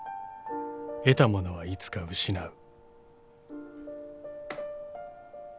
［得たものはいつか失う］